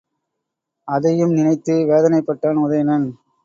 அதையும் நினைத்து வேதனைப்பட்டான் உதயணன்.